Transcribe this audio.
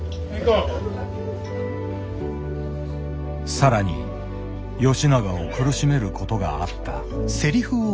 更に吉永を苦しめることがあった。